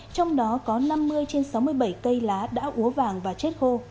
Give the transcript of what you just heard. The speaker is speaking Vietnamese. trong đó có năm mươi trên sáu mươi bảy cây lá đã úa vàng và chết khô